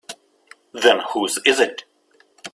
Then whose is it?